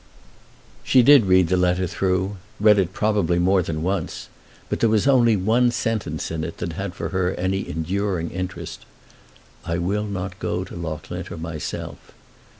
She did read the letter through, read it probably more than once; but there was only one sentence in it that had for her any enduring interest. "I will not go to Loughlinter myself."